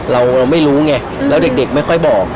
เราไม่รู้ไงแล้วเด็กไม่ค่อยบอก